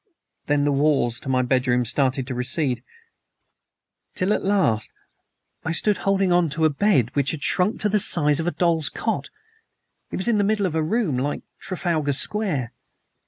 "Then the walls of my bedroom started to recede, till at last I stood holding on to a bed which had shrunk to the size of a doll's cot, in the middle of a room like Trafalgar Square!